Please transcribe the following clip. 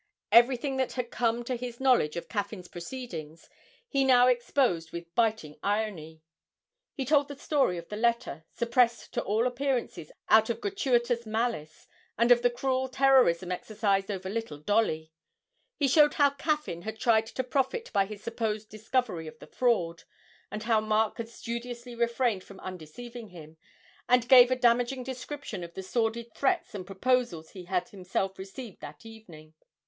Everything that had come to his knowledge of Caffyn's proceedings he now exposed with biting irony. He told the story of the letter, suppressed to all appearances out of gratuitous malice, and of the cruel terrorism exercised over little Dolly; he showed how Caffyn had tried to profit by his supposed discovery of the fraud, and how Mark had studiously refrained from undeceiving him, and gave a damaging description of the sordid threats and proposals he had himself received that evening.